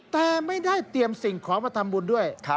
แต่ไม่ได้เตรียมสิ่งของมาทำบุญด้วย